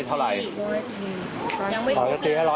เท่าไหร่อะ